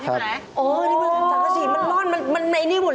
จริงปะนี่